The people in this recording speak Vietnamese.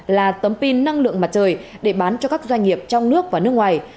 là tấm pin năng lượng mặt trời để bán cho các doanh nghiệp trong nước và nước ngoài